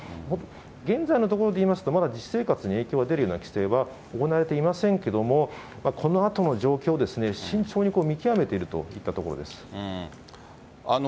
現在のところで言いますと、まだ実生活に影響が出るような規制は行われていませんけども、このあとの状況を慎重に見極めているといったところです。